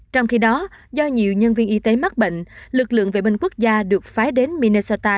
trong khi đó do nhiều nhân viên y tế mắc bệnh lực lượng vệ binh quốc gia được phái đến minesta